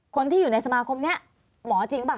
คนที่อยู่ในสมาคมนี้หมอจริงป่ะ